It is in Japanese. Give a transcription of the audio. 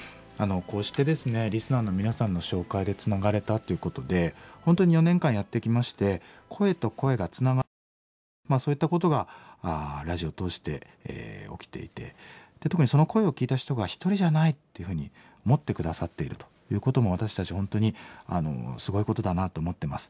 こうしてですねリスナーの皆さんの紹介でつながれたということで本当に４年間やってきまして声と声がつながっていくそういったことがラジオを通して起きていて特にその声を聞いた人が一人じゃないっていうふうに思って下さっているということも私たち本当にすごいことだなと思ってます。